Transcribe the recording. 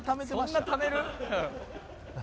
「そんなためる？」